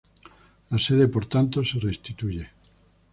La sede por tanto, se restituye.